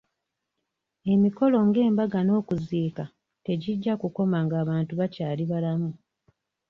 Emikolo nga embaga n'okuziika tegijja kukoma nga abantu bakyali balamu.